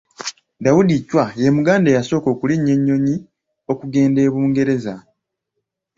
Daudi Chwa ye muganda eyasooka okulinnya ennyonyi okugenda e Bungereza.